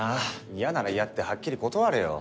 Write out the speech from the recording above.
嫌なら嫌ってはっきり断れよ。